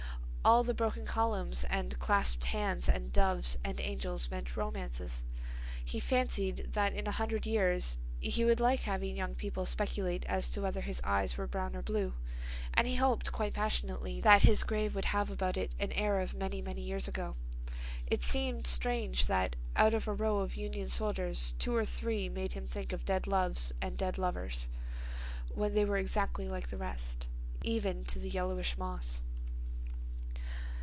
All the broken columns and clasped hands and doves and angels meant romances. He fancied that in a hundred years he would like having young people speculate as to whether his eyes were brown or blue, and he hoped quite passionately that his grave would have about it an air of many, many years ago. It seemed strange that out of a row of Union soldiers two or three made him think of dead loves and dead lovers, when they were exactly like the rest, even to the yellowish moss.